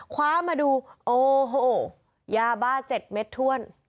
คว้ามาดูโอ้โหยาบ้า๗เม็ดถ้วน